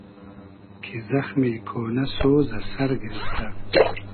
کی زئخمی کۉنۂ سۉز از سئر گیریفتۂ